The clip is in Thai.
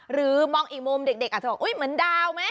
หรือมองอีกมุมเด็กอาจจะบอกอุ๊ยเหมือนดาวไหม